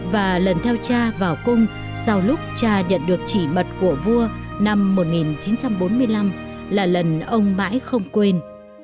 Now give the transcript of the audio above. và lần theo cha vào cung sau lúc cha nhận được chỉ mật của vua năm một nghìn chín trăm bốn mươi năm là lần ông mãi không quên